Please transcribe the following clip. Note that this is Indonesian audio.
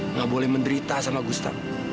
enggak boleh menderita sama gustaf